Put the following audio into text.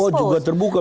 oh juga terbuka